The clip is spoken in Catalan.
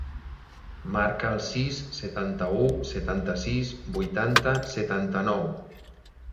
Marca el sis, setanta-u, setanta-sis, vuitanta, setanta-nou.